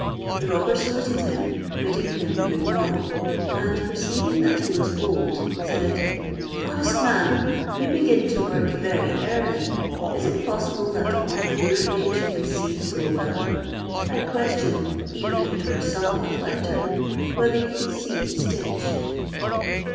The robber saluted him, bidding him good morrow; and perceiving that he was old, said, "Honest man, you begin to work very early: is it possible that one of your age can see so well? I question, even if it were somewhat lighter, whether you could see to stitch."